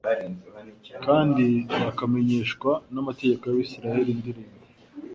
kandi bakamenyeshwa n'amateka y'Abisirayeli. Indirimbo,